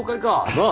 なあ？